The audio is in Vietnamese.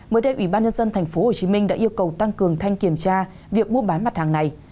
mới đây ủy ban nhân dân tp hcm đã yêu cầu tăng cường thanh kiểm tra việc mua bán mặt hàng này